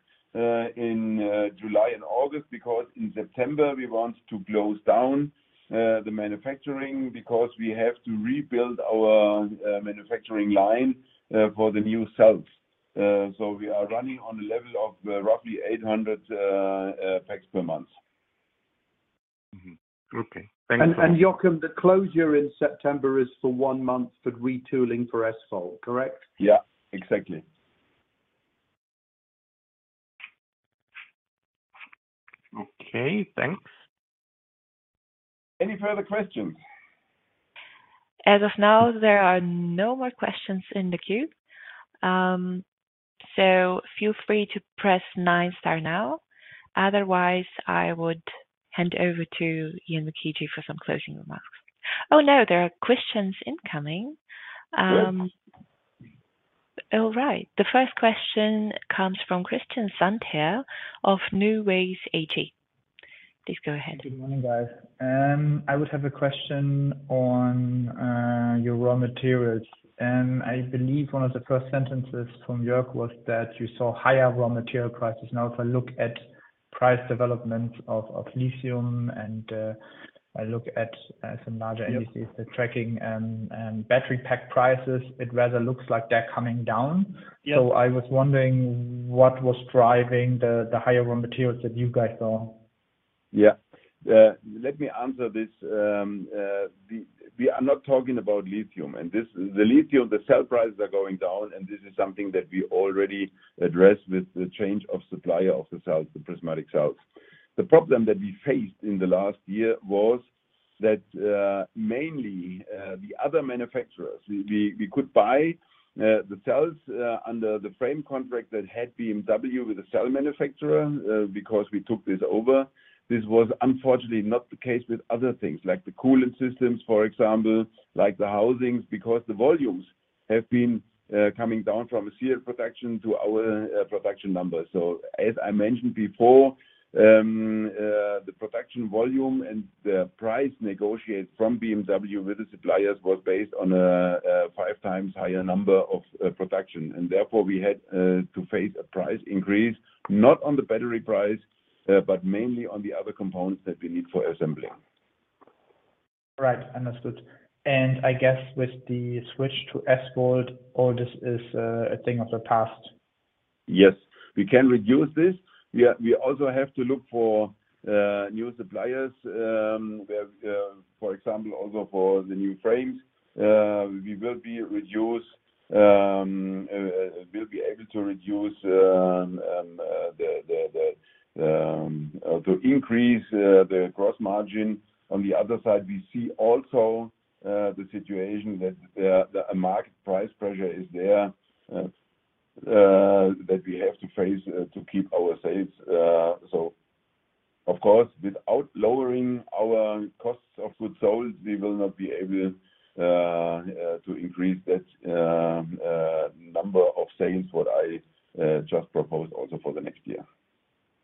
[SPEAKER 3] in July and August because in September, we want to close down the manufacturing because we have to rebuild our manufacturing line for the new cells. So we are running on a level of roughly 800 packs per month.
[SPEAKER 5] Okay. Thanks, sir.
[SPEAKER 4] Joachim, the closure in September is for one month for retooling for SVOLT, correct?
[SPEAKER 3] Yeah. Exactly.
[SPEAKER 5] Okay. Thanks.
[SPEAKER 4] Any further questions?
[SPEAKER 1] As of now, there are no more questions in the queue. So feel free to press ninestar now. Otherwise, I would hand over to Ian Mukherjee for some closing remarks. Oh, no. There are questions incoming. All right. The first question comes from Christian Sandherr of NuWays AG. Please go ahead.
[SPEAKER 6] Good morning, guys. I would have a question on your raw materials. I believe one of the first sentences from Jörg was that you saw higher raw material prices. Now, if I look at price developments of of lithium and I look at some larger indices that tracking battery pack prices, it rather looks like they're coming down. So I was wondering what was driving the higher raw materials that you guys saw?
[SPEAKER 3] Yeah. Let me answer this. We are not talking about lithium. And this, the lithium, the cell prices are going down, and this is something that we already addressed with the change of supplier of the cells, the prismatic cells. The problem that we faced in the last year was that, mainly, the other manufacturers could buy the cells under the frame contract that had BMW with the cell manufacturer, because we took this over. This was unfortunately not the case with other things like the coolant systems, for example, like the housings, because the volumes have been coming down from a serial production to our production numbers. So as I mentioned before, the production volume and the price negotiated from BMW with the suppliers was based on a five times higher number of production. Therefore, we had to face a price increase, not on the battery price, but mainly on the other components that we need for assembling.
[SPEAKER 6] Right. Understood. And I guess with the switch to SVOLT, all this is, a thing of the past?
[SPEAKER 3] Yes. We can reduce this. We also have to look for new suppliers, where, for example, also for the new frames, we'll be able to reduce to increase the gross margin. On the other side, we see also the situation that the market price pressure is there, that we have to face, to keep our sales. Of course, without lowering our costs of goods sold, we will not be able to increase that number of sales what I just proposed also for the next year.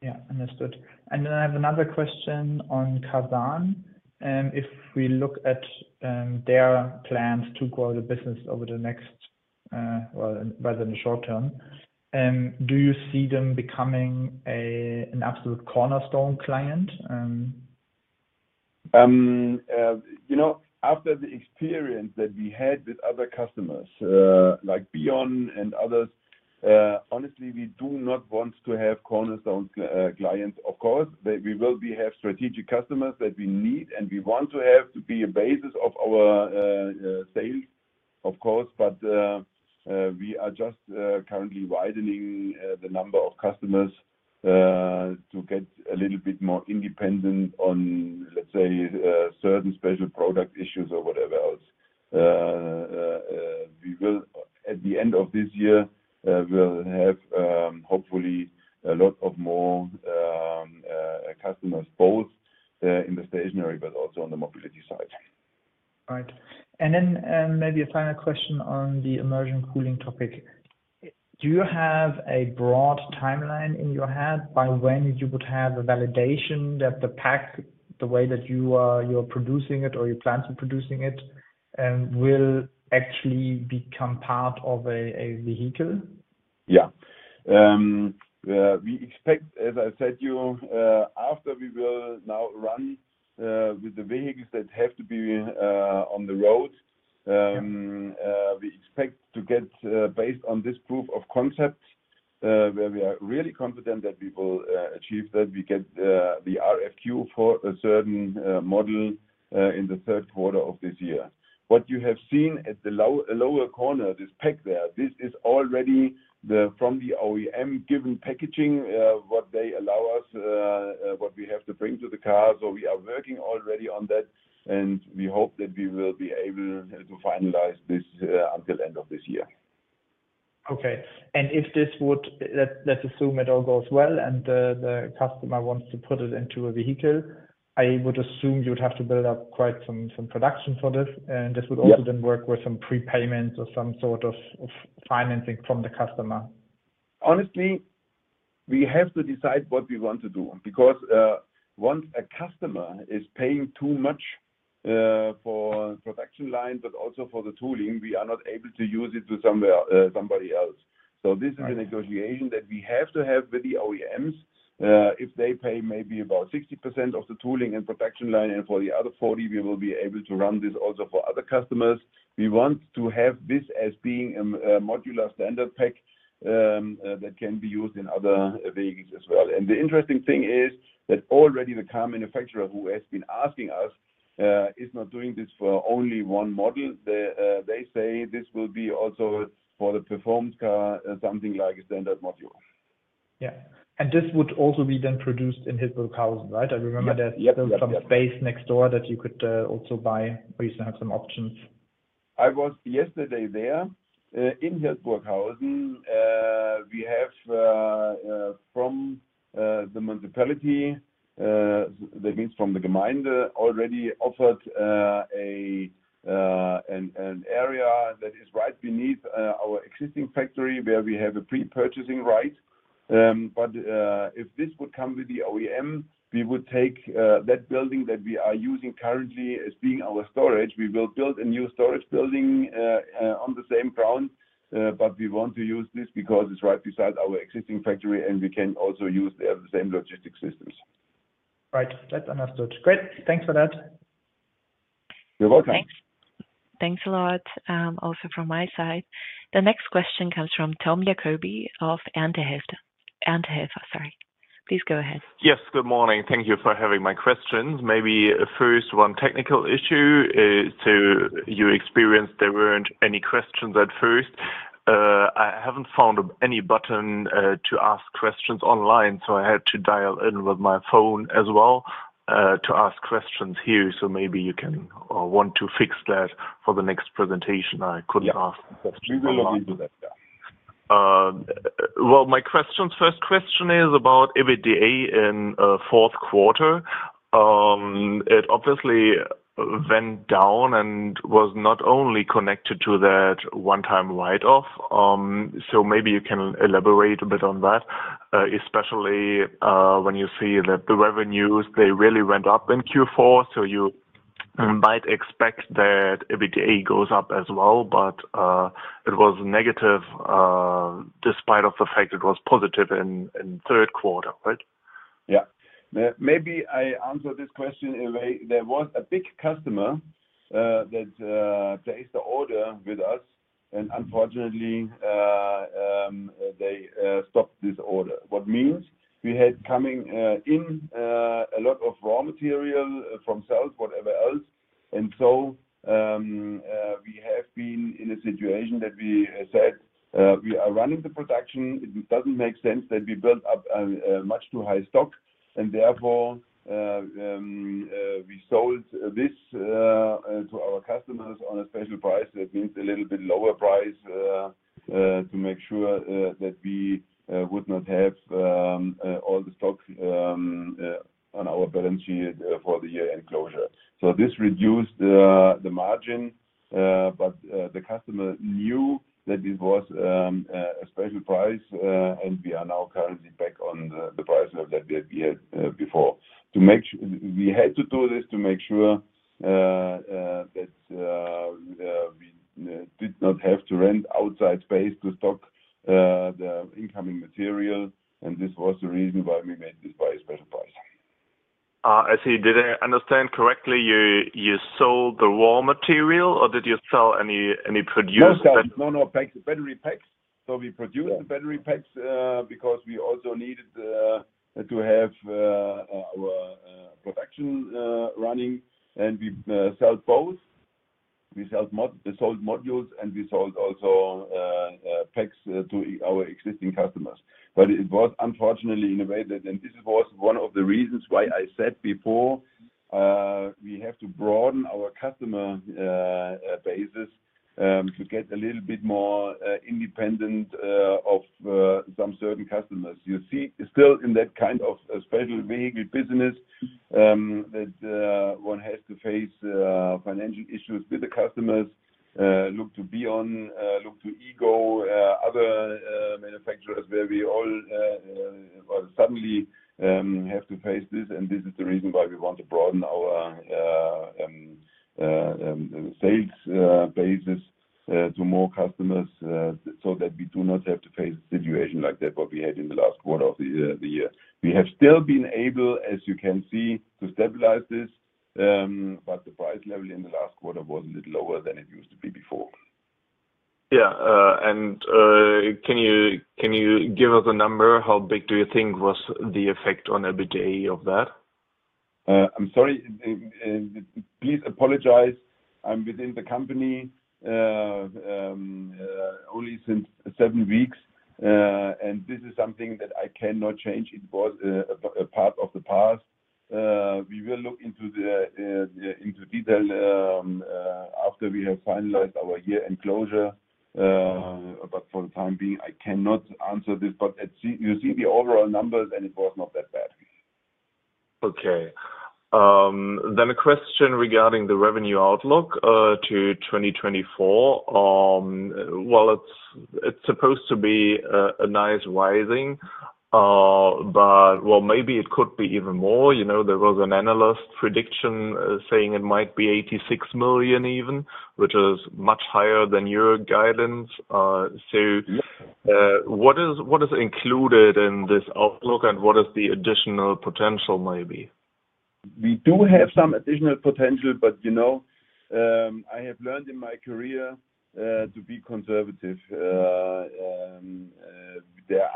[SPEAKER 6] Yeah. Understood. And then I have another question on Karsan. If we look at their plans to grow the business over the next, well, rather in the short term, do you see them becoming an absolute cornerstone client?
[SPEAKER 3] You know, after the experience that we had with other customers, like B-ON and others, honestly, we do not want to have cornerstone clients. Of course, the we will be have strategic customers that we need, and we want to have to be a basis of our sales, of course. But we are just currently widening the number of customers to get a little bit more independent on, let's say, certain special product issues or whatever else. We will at the end of this year, we'll have hopefully a lot more customers, both in the stationary but also on the mobility side.
[SPEAKER 6] Right. And then, maybe a final question on the immersion cooling topic. Do you have a broad timeline in your head by when you would have a validation that the pack, the way that you are producing it or you plan to be producing it, will actually become part of a vehicle?
[SPEAKER 3] Yeah. We expect, as I said to you, after we will now run with the vehicles that have to be on the road, we expect to get, based on this proof of concept, where we are really confident that we will achieve that, we get the RFQ for a certain model in the third quarter of this year. What you have seen at the lower corner, this pack there, this is already from the OEM-given packaging, what they allow us, what we have to bring to the car. So we are working already on that, and we hope that we will be able to finalize this until the end of this year.
[SPEAKER 6] Okay. And if this would, let's assume it all goes well, and the customer wants to put it into a vehicle, I would assume you'd have to build up quite some production for this. And this would also then work with some prepayments or some sort of financing from the customer.
[SPEAKER 3] Honestly, we have to decide what we want to do because once a customer is paying too much for production line but also for the tooling, we are not able to use it to somewhere, somebody else. So this is a negotiation that we have to have with the OEMs. If they pay maybe about 60% of the tooling and production line, and for the other 40%, we will be able to run this also for other customers. We want to have this as being a, a modular standard pack that can be used in other vehicles as well. And the interesting thing is that already the car manufacturer who has been asking us is not doing this for only one model. They say this will be also for the performance car, something like a standard module.
[SPEAKER 6] Yeah. This would also be then produced in Hildburghausen, right? I remember there's still some space next door that you could also buy or you still have some options.
[SPEAKER 3] I was yesterday there. In Hildburghausen, we have from the municipality, that means from the Gemeinde, already an area that is right beneath our existing factory where we have a prepurchasing right. But if this would come with the OEM, we would take that building that we are using currently as being our storage. We will build a new storage building on the same ground, but we want to use this because it's right beside our existing factory, and we can also use the same logistics systems.
[SPEAKER 6] Right. That's understood. Great. Thanks for that.
[SPEAKER 3] You're welcome.
[SPEAKER 1] Thanks. Thanks a lot, also from my side. The next question comes from Tom Jacoby of, *audio distortion* sorry. Please go ahead.
[SPEAKER 7] Yes. Good morning. Thank you for having my questions. Maybe first, one technical issue is to you experienced there weren't any questions at first. I haven't found any button to ask questions online, so I had to dial in with my phone as well, to ask questions here. So maybe you can or want to fix that for the next presentation. I couldn't ask the question.
[SPEAKER 3] We will not do that, yeah.
[SPEAKER 7] Well, my first question is about EBITDA in fourth quarter. It obviously went down and was not only connected to that one-time write-off. So maybe you can elaborate a bit on that, especially when you see that the revenues really went up in Q4. So you might expect that EBITDA goes up as well, but it was negative, despite the fact it was positive in third quarter, right?
[SPEAKER 3] Yeah. Maybe I answer this question in a way. There was a big customer that placed the order with us, and unfortunately, they stopped this order, what means we had coming in a lot of raw material from cells, whatever else. And so, we have been in a situation that we said, we are running the production. It doesn't make sense that we build up a much too high stock. And therefore, we sold this to our customers on a special price. That means a little bit lower price, to make sure that we would not have all the stock on our balance sheet for the year-end closure. So this reduced the margin, but the customer knew that this was a special price, and we are now currently back on the price level that we had before. To make sure we had to do this to make sure that we did not have to rent outside space to stock the incoming material. This was the reason why we made this by a special price.
[SPEAKER 7] I see. Did I understand correctly, you sold the raw material, or did you sell any produced?
[SPEAKER 3] No, sir. No, no. Battery packs. So we produced the battery packs, because we also needed to have our production running. And we sell both. We sell modules and we sell also packs to our existing customers. But it was unfortunately in a way that and this was one of the reasons why I said before, we have to broaden our customer basis to get a little bit more independent of some certain customers. You see, still in that kind of a special vehicle business that one has to face financial issues with the customers, look to B-ON, look to e.GO, other manufacturers where we all well suddenly have to face this. This is the reason why we want to broaden our sales basis to more customers, so that we do not have to face a situation like that what we had in the last quarter of the year. We have still been able, as you can see, to stabilize this, but the price level in the last quarter was a little lower than it used to be before.
[SPEAKER 7] Yeah. And, can you can you give us a number? How big do you think was the effect on EBITDA of that?
[SPEAKER 3] I'm sorry. Please apologize. I'm within the company only since seven weeks, and this is something that I cannot change. It was a part of the past. We will look into detail after we have finalized our year-end closure, but for the time being, I cannot answer this. But as you see the overall numbers, and it was not that bad.
[SPEAKER 7] Okay. Then a question regarding the revenue outlook to 2024. Well, it's supposed to be a nice rising, but well, maybe it could be even more. You know, there was an analyst prediction saying it might be 86 million even, which is much higher than your guidance. So, what is included in this outlook, and what is the additional potential maybe?
[SPEAKER 3] We do have some additional potential, but, you know, I have learned in my career to be conservative. There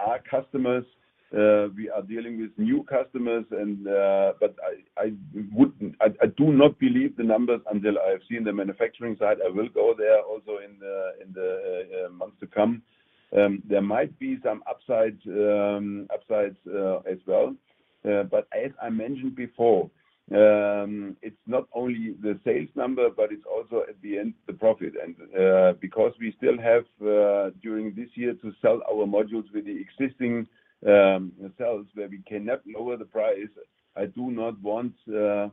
[SPEAKER 3] are customers. We are dealing with new customers, but I do not believe the numbers until I have seen the manufacturing side. I will go there also in the months to come. There might be some upsides as well. But as I mentioned before, it's not only the sales number, but it's also at the end the profit. Because we still have during this year to sell our modules with the existing cells where we cannot lower the price, I do not want to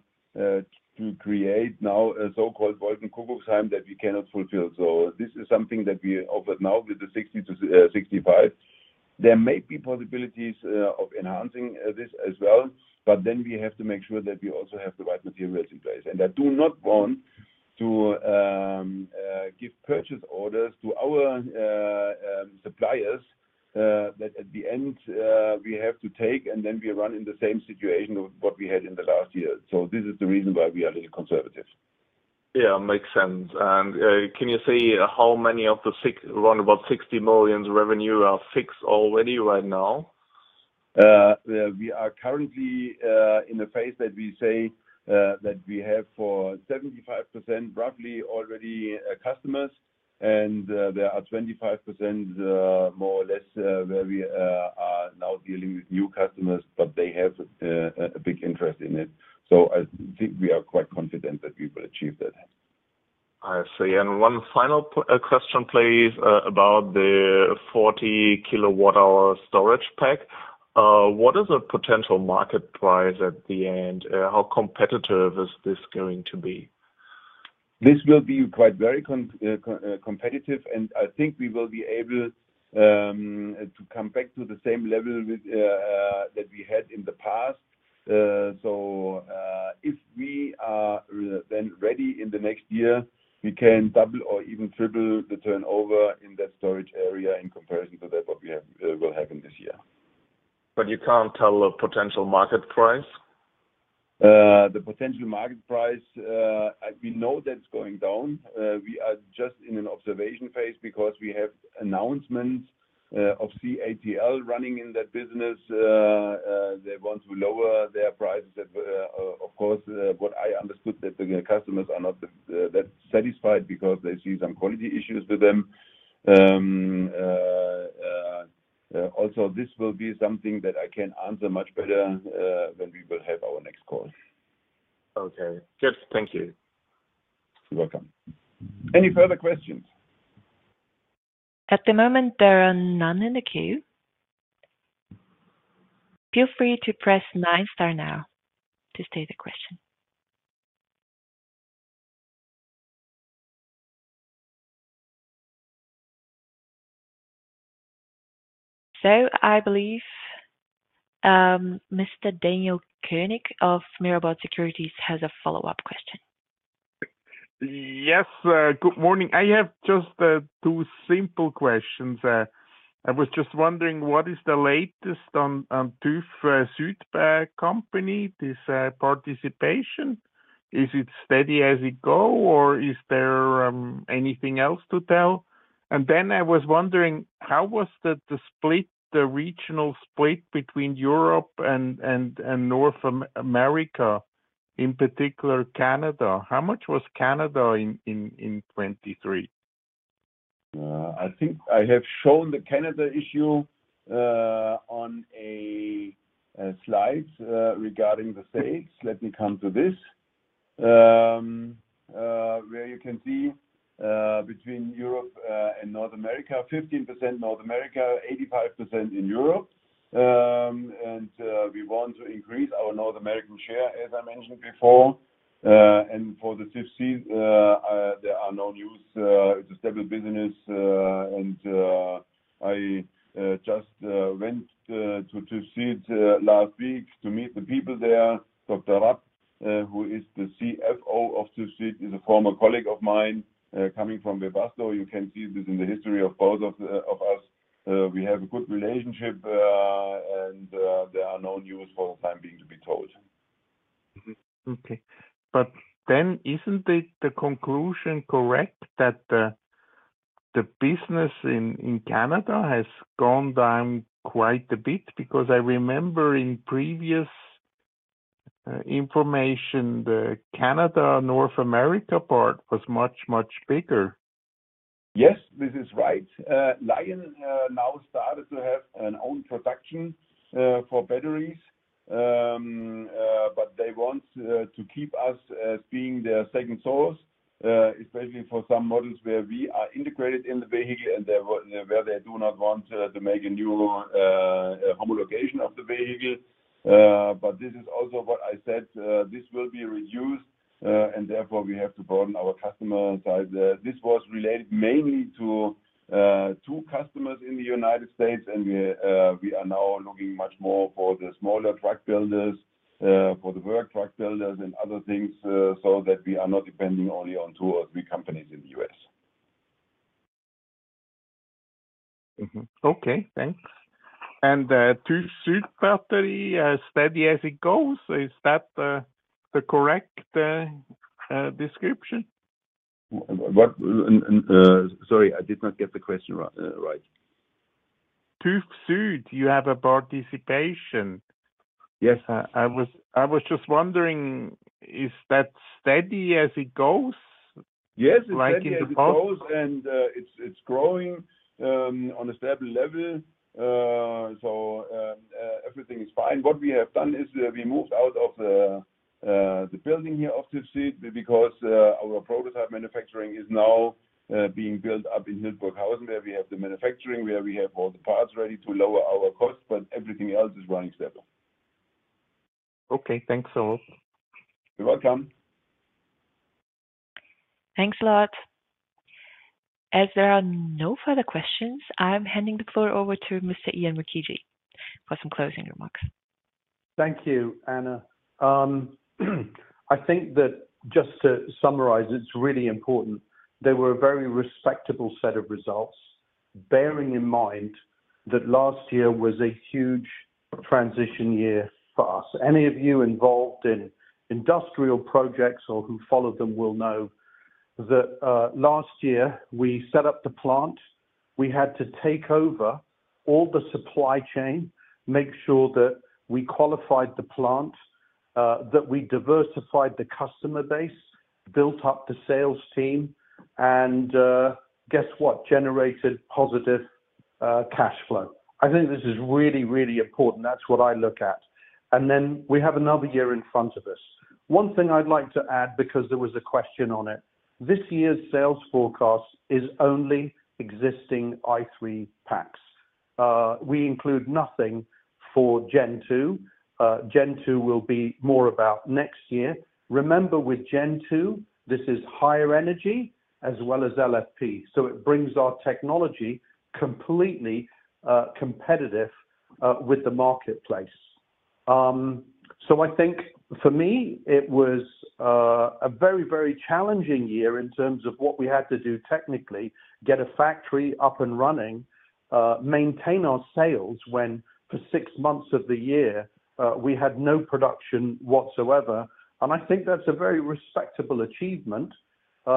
[SPEAKER 3] create now a so-called Wolkenkuckucksheim that we cannot fulfill. So this is something that we offer now with the 60-65. There may be possibilities of enhancing this as well, but then we have to make sure that we also have the right materials in place. I do not want to give purchase orders to our suppliers that at the end we have to take, and then we run in the same situation of what we had in the last year. This is the reason why we are a little conservative.
[SPEAKER 7] Yeah. Makes sense. Can you say how many of the six around about 60 million's revenue are fixed already right now?
[SPEAKER 3] We are currently in a phase that we say that we have for roughly 75% already customers. And there are 25% more or less where we are now dealing with new customers, but they have a big interest in it. So I think we are quite confident that we will achieve that.
[SPEAKER 7] I see. And one final question, please, about the 40 kWh storage pack. What is the potential market price at the end? How competitive is this going to be?
[SPEAKER 3] This will be quite very competitive. I think we will be able to come back to the same level with that we had in the past. So, if we are then ready in the next year, we can double or even triple the turnover in that storage area in comparison to what we have, will have in this year.
[SPEAKER 7] But you can't tell the potential market price?
[SPEAKER 3] The potential market price, we know that it's going down. We are just in an observation phase because we have announcements of CATL running in that business. They want to lower their prices. Of course, what I understood that the customers are not the that satisfied because they see some quality issues with them. Also, this will be something that I can answer much better when we will have our next call.
[SPEAKER 7] Okay. Good. Thank you.
[SPEAKER 3] You're welcome. Any further questions?
[SPEAKER 1] At the moment, there are none in the queue. Feel free to press nine, star now to state a question. So I believe, Mr. Daniel Koenig of Mirabaud Securities has a follow-up question.
[SPEAKER 5] Yes. Good morning. I have just two simple questions. I was just wondering, what is the latest on TÜV SÜD company's participation? Is it steady as it goes, or is there anything else to tell? And then I was wondering, how was the split, the regional split between Europe and North America, in particular Canada? How much was Canada in 2023?
[SPEAKER 3] I think I have shown the Canada issue on a slide regarding the sales. Let me come to this, where you can see between Europe and North America, 15% North America, 85% in Europe. We want to increase our North American share, as I mentioned before. For the TÜV SÜD, there are no news. It's a stable business, and I just went to TÜV SÜD last week to meet the people there, Dr. Rapp, who is the CFO of TÜV SÜD. He's a former colleague of mine, coming from Webasto. You can see this in the history of both of us. We have a good relationship, and there are no news for the time being to be told.
[SPEAKER 5] Okay. But then isn't it the conclusion correct that the business in Canada has gone down quite a bit? Because I remember in previous information, the Canada-North America part was much, much bigger.
[SPEAKER 3] Yes. This is right. LION now started to have an own production for batteries. But they want to keep us as being their second source, especially for some models where we are integrated in the vehicle, and there where they do not want to make a new homologation of the vehicle. But this is also what I said. This will be reduced, and therefore, we have to broaden our customer side. This was related mainly to two customers in the United States, and we, we are now looking much more for the smaller truck builders, for the work truck builders and other things, so that we are not depending only on two or three companies in the U.S.
[SPEAKER 5] Okay. Thanks. TÜV SÜD battery, steady as it goes. Is that the correct description?
[SPEAKER 3] Sorry. I did not get the question right, right.
[SPEAKER 5] TÜV SÜD, you have a participation.
[SPEAKER 3] Yes.
[SPEAKER 5] I was just wondering, is that steady as it goes?
[SPEAKER 3] Yes. It's steady as it goes, and it's growing on a stable level. Everything is fine. What we have done is we moved out of the building here of TÜV SÜD because our prototype manufacturing is now being built up in Hildburghausen, where we have the manufacturing, where we have all the parts ready to lower our cost, but everything else is running stable.
[SPEAKER 5] Okay. Thanks, Joachim.
[SPEAKER 3] You're welcome.
[SPEAKER 5] Thanks, Joachim. As there are no further questions, I'm handing the floor over to Mr. Ian Mukherjee for some closing remarks.
[SPEAKER 4] Thank you, Anna. I think that just to summarize, it's really important. There were a very respectable set of results, bearing in mind that last year was a huge transition year for us. Any of you involved in industrial projects or who followed them will know that, last year, we set up the plant. We had to take over all the supply chain, make sure that we qualified the plant, that we diversified the customer base, built up the sales team, and, guess what? Generated positive cash flow. I think this is really, really important. That's what I look at. And then we have another year in front of us. One thing I'd like to add because there was a question on it. This year's sales forecast is only existing ID.3 packs. We include nothing for Gen 2. Gen 2 will be more about next year. Remember, with Gen 2, this is higher energy as well as LFP, so it brings our technology completely competitive with the marketplace. So I think, for me, it was a very, very challenging year in terms of what we had to do technically: get a factory up and running, maintain our sales when, for six months of the year, we had no production whatsoever. I think that's a very respectable achievement. We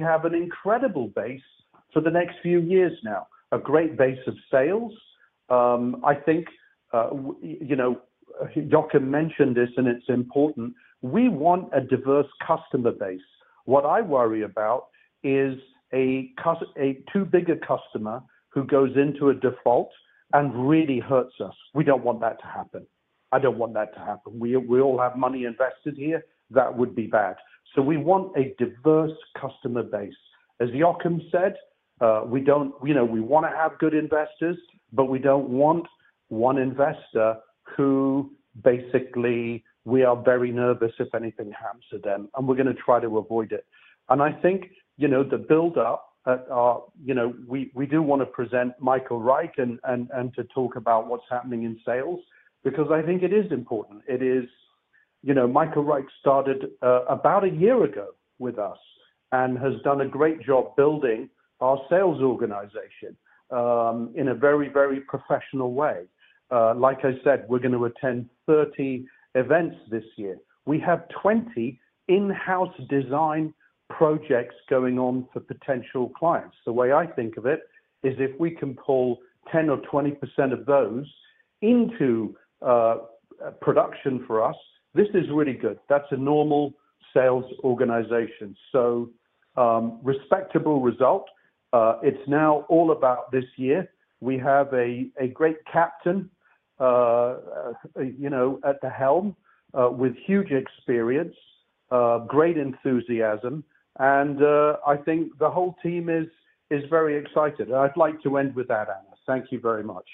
[SPEAKER 4] have an incredible base for the next few years now, a great base of sales. I think, well you know, Joachim mentioned this, and it's important. We want a diverse customer base. What I worry about is a too big a customer who goes into a default and really hurts us. We don't want that to happen. I don't want that to happen. We all have money invested here. That would be bad. So we want a diverse customer base. As Joachim said, we don't, you know, we want to have good investors, but we don't want one investor who basically we are very nervous if anything happens to them, and we're going to try to avoid it. And I think, you know, the buildup at our, you know, we, we do want to present Michael Reich and, and, and to talk about what's happening in sales because I think it is important. It is, you know, Michael Reich started about a year ago with us and has done a great job building our sales organization in a very, very professional way. Like I said, we're going to attend 30 events this year. We have 20 in-house design projects going on for potential clients. The way I think of it is if we can pull 10% or 20% of those into production for us, this is really good. That's a normal sales organization. So, respectable result. It's now all about this year. We have a great captain, you know, at the helm, with huge experience, great enthusiasm. And I think the whole team is very excited. And I'd like to end with that, Anna. Thank you very much.